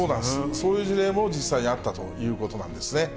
そういう事例も実際にあったということなんですね。